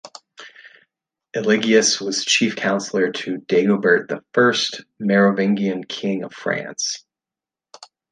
Eligius was chief counsellor to Dagobert the First, Merovingian king of France.